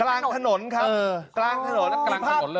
กลางถนนครับกลางถนนกลางถนนเลย